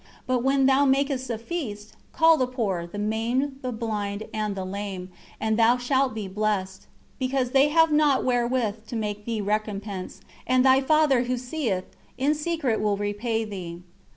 But when thou makest a feast, call the poor, the maimed, the blind, and the lame, and thou shalt be blessed, because they have naught wherewith to make thee recompense, and thy Father Who seeth in secret will repay thee."